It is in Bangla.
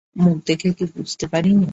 মুখ দেখে কি বুঝতে পারি নে?